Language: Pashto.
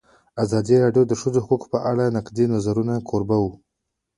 ازادي راډیو د د ښځو حقونه په اړه د نقدي نظرونو کوربه وه.